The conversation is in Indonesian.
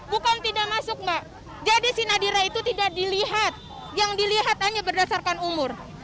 bukan tidak masuk mbak jadi si nadira itu tidak dilihat yang dilihat hanya berdasarkan umur